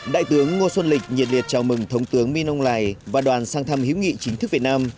đại tướng ngô xuân lịch nhiệt liệt chào mừng thống tướng minh âu lài và đoàn sang thăm hữu nghị chính thức việt nam